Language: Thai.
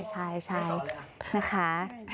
ใช่นะคะ